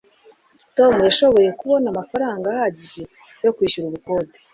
tom yashoboye kubona amafaranga ahagije yo kwishyura ubukode